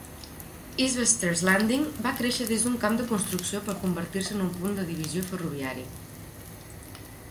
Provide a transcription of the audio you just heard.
Isbester's Landing va créixer des d"un camp de construcció per convertir-se en un punt de divisió ferroviari.